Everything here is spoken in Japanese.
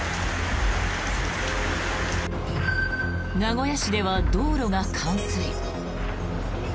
名古屋市では道路が冠水。